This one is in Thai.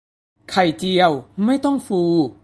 ไข่เจียวไม่ต้องฟู